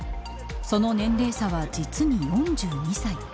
その年齢差は、実に４２歳。